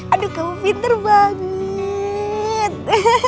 aduh kamu pinter banget